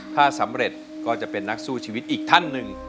ถ้าสำเร็จก็จะเป็นนักสู้ชีวิตอีกท่านหนึ่ง